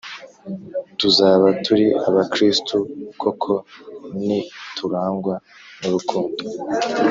tuzaba turi aba kristu koko niturangwa n’urukundo,